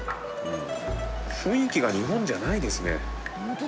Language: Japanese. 雰囲気が日本じゃないですね。